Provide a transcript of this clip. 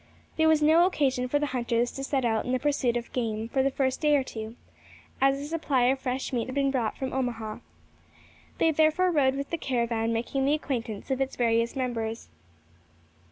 There was no occasion for the hunters to set out in the pursuit of game for the first day or two, as a supply of fresh meat had been brought from Omaha. They therefore rode with the caravan, making the acquaintance of its various members.